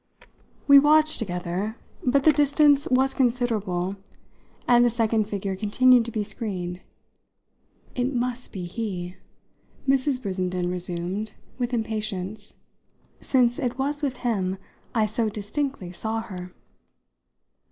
We watched together, but the distance was considerable, and the second figure continued to be screened. "It must be he," Mrs. Brissenden resumed with impatience, "since it was with him I so distinctly saw her."